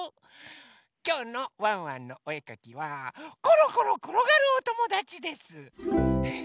きょうの「ワンワンのおえかき」はコロコロころがるおともだちです。